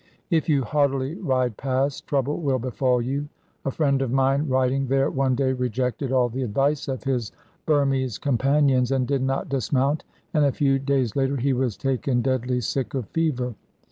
If you haughtily ride past, trouble will befall you. A friend of mine riding there one day rejected all the advice of his Burmese companions and did not dismount, and a few days later he was taken deadly sick of fever.